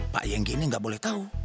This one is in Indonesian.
pak yang gini gak boleh tahu